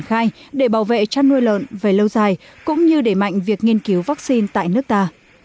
khai để bảo vệ chăn nuôi lợn về lâu dài cũng như để mạnh việc nghiên cứu vaccine tại nước ta